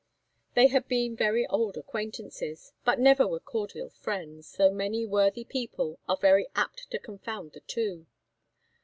They had been very old acquaintances, but never were cordial friends, though many worthy people are very apt to confound the two.